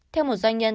theo một doanh nhân